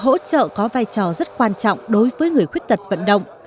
hỗ trợ có vai trò rất quan trọng đối với người khuyết tật vận động